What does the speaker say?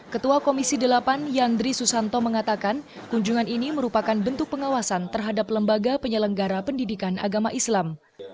ketua komisi delapan yandri susanto mengatakan kunjungan ini merupakan bentuk pengawasan terhadap lembaga penyelenggara pendidikan agama islam